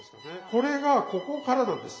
これがここからなんです。